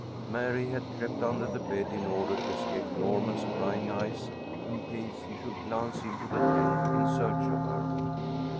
Mary had crept under the bed in order to escape Norman's prying eyes in case he should glance into the tent in search of her.